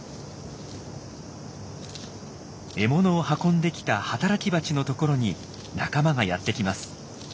獲物を運んできた働きバチの所に仲間がやって来ます。